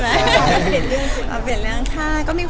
เชื่อให้ใจเชื่อถ่าเรายังรู้ระวังก็จริง